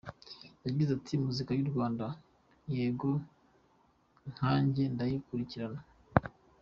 Yagize ati “Muzika y’u Rwanda yego nkanjye ndayikurikirana.